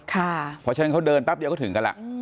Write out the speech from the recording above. เพราะฉะนั้นเขาเดินแป๊บเดียวก็ถึงกันแล้ว